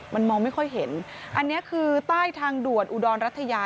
มันมองไม่ค่อยเห็นอันนี้คือใต้ทางด่วนอุดรรัฐยา